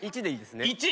１でいいですね？